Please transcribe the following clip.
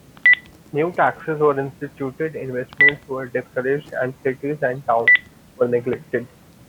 New taxes were instituted, investments were discouraged, and cities and towns were neglected.